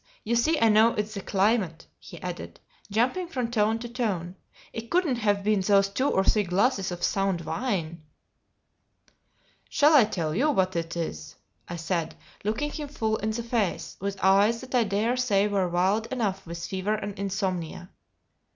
You see I know it's the climate," he added, jumping from tone to tone; "it couldn't have been those two or three glasses of sound wine." "Shall I tell you what it is?" I said, looking him full in the face, with eyes that I dare say were wild enough with fever and insomnia.